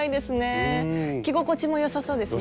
着心地もよさそうですね。